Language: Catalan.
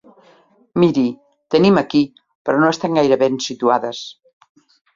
Miri, tenim aquí, però no estan gaire ben situades.